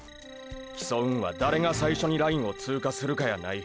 競うんは誰が最初にラインを通過するかやない。